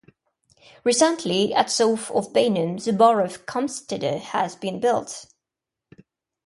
Recently at south of Beinum the borough Campstede has been built.